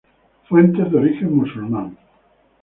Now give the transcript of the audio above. Fuente de origen moro.